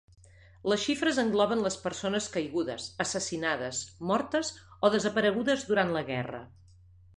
Les xifres engloben les persones caigudes, assassinades, mortes o desaparegudes durant la guerra.